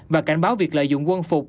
và cảnh báo việc lợi dụng quân phục